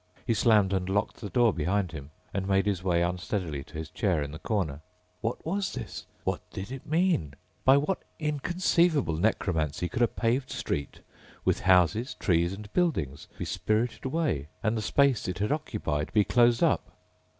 He slammed and locked the door behind him and made his way unsteadily to his chair in the corner. What was this? What did it mean? By what inconceivable necromancy could a paved street with houses, trees and buildings be spirited away and the space it had occupied be closed up?